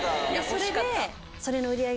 それで。